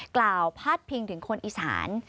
กล่าวพาดพิงถึงคนอีสาน